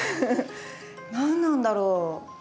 何なんだろう？